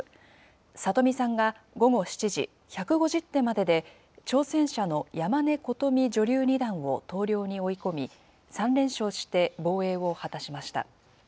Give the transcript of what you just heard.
里見さんが午後７時、１５０手までで挑戦者の山根ことみ女流二段を投了に追い込み、３連勝して防衛を果たしました。